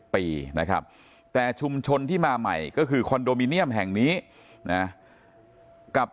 ปีนะครับแต่ชุมชนที่มาใหม่ก็คือคอนโดมิเนียมแห่งนี้นะกับ